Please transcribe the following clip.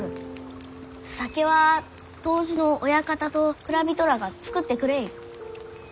酒は杜氏の親方と蔵人らあが造ってくれゆう。